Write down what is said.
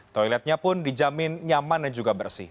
toiletnya pun dijamin nyaman dan juga bersih